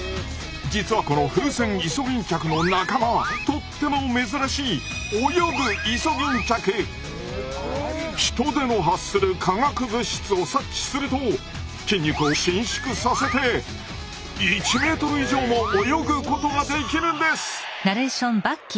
実はこのフウセンイソギンチャクの仲間はとっても珍しいヒトデの発する化学物質を察知すると筋肉を伸縮させて１メートル以上も泳ぐことができるんです。